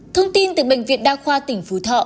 thông tin từ bệnh viện đa khoa tỉnh phú thọ